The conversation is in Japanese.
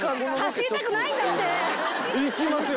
行きますよ。